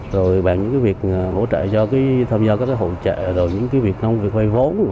rồi bàn những việc hỗ trợ cho tham gia các hỗ trợ những việc nông việc vây vốn